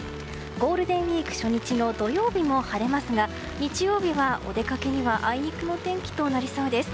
ゴールデンウィーク初日の土曜日も晴れますが日曜日は、お出かけにはあいにくの天気となりそうです。